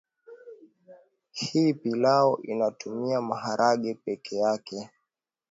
Hii pilau inatumia maharage peke yake